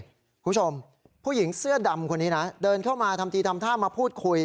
คุณผู้ชมผู้หญิงเสื้อดำคนนี้นะเดินเข้ามาทำทีทำท่ามาพูดคุย